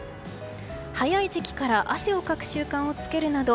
早い時期から汗をかく習慣をつけるなど